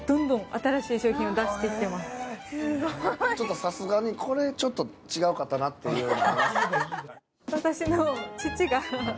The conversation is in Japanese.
さすがにこれ、ちょっと違うかったなっていうのは？